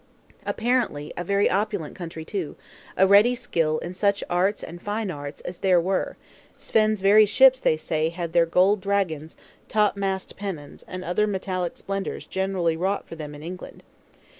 Apparently a very opulent country, too; a ready skill in such arts and fine arts as there were; Svein's very ships, they say, had their gold dragons, top mast pennons, and other metallic splendors generally wrought for them in England.